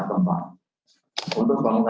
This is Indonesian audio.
dan kemudian juga bahwa gempa